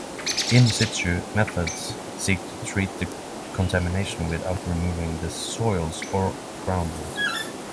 In-situ methods seek to treat the contamination without removing the soils or groundwater.